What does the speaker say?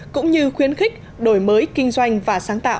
cũng như khuyến khích đổi mới kinh doanh và sáng tạo